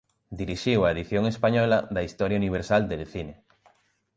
Dirixiu a edición española da "Historia Universal del Cine".